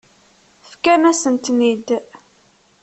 Fkan-asent-ten-id.